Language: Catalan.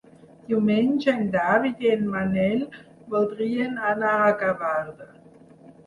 Diumenge en David i en Manel voldrien anar a Gavarda.